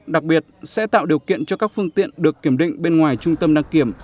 đặc biệt sẽ tạo điều kiện cho các phương tiện được kiểm định bên ngoài trung tâm đăng kiểm